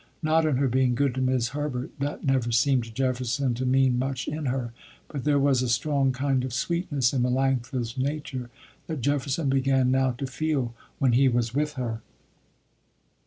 Not in her being good to 'Mis' Herbert, that never seemed to Jefferson to mean much in her, but there was a strong kind of sweetness in Melanctha's nature that Jefferson began now to feel when he was with her.